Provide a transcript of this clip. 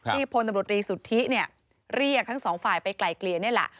พลตำรวจรีสุทธิเนี่ยเรียกทั้งสองฝ่ายไปไกลเกลี่ยนี่แหละ